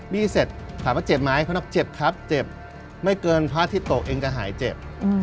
บีเซธถามว่าเจ็บไหมก็ต่อยเขานอกเจ็บครับไม่เกินพระอาทิตย์ตกจะหายเจ็บ